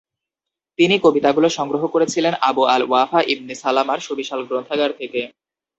তিনি কবিতাগুলো সংগ্রহ করেছিলেন আবু আল-ওয়াফা ইবনে সালামার সুবিশাল গ্রন্থাগার থেকে।